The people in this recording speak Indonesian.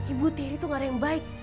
ibu tiri tuh ngarah yang baik